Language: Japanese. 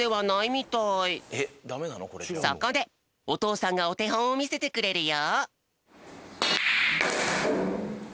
そこでおとうさんがおてほんをみせてくれるよ。